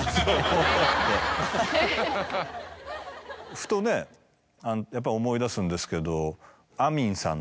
ふとねやっぱ思い出すんですけど。